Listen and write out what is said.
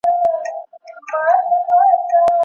ملا د ستړیا له امله ساه لنډۍ نیولی و.